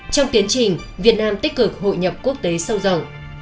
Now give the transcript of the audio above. trong tiến trình việt nam tích cực hội nhập quốc tế sâu rộng